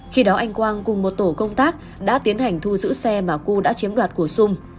khi đó anh quang cùng một tổ công tác đã tiến hành thu giữ xe mà cư đã chiếm đoạt của sung